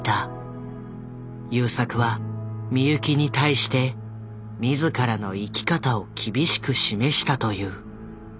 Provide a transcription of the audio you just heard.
優作は美由紀に対して自らの生き方を厳しく示したという。